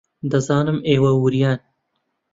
دەزانم ئێوە وریان.